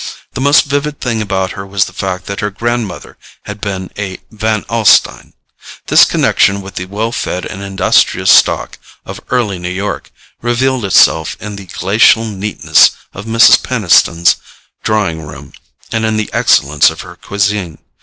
The most vivid thing about her was the fact that her grandmother had been a Van Alstyne. This connection with the well fed and industrious stock of early New York revealed itself in the glacial neatness of Mrs. Peniston's drawing room and in the excellence of her cuisine.